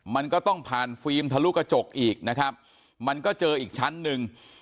มันก็ต้องผ่านฟิล์มทะลุกระจกอีกนะครับมันก็เจออีกชั้นหนึ่ง